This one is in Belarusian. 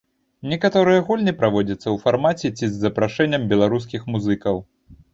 Некаторыя гульні праводзяцца ў фармаце ці з запрашэннем беларускіх музыкаў.